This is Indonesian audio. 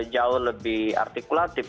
jauh lebih artikulatif